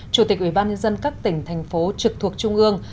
chủ tịch ủy ban nhân dân các tỉnh thành phố trực thuộc trung ương